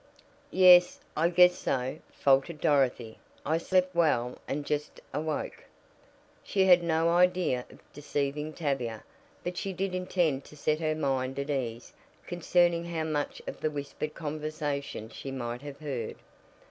"Yes, I guess so," faltered Dorothy. "I slept well, and just awoke." She had no idea of deceiving Tavia, but she did intend to set her mind at ease concerning how much of the whispered conversation she might have heard.